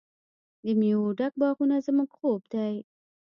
د میوو ډک باغونه زموږ خوب دی.